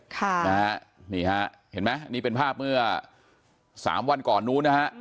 ค่ะนะฮะนี่ฮะเห็นไหมนี่เป็นภาพเมื่อสามวันก่อนนู้นนะฮะ